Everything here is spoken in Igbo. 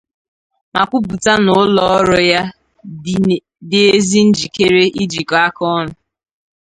ma kwupụta na ụlọọrụ ya dị ezi njikere ijikọ aka ọnụ